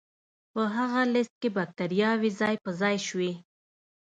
په هغه لست کې بکتریاوې ځای په ځای شوې.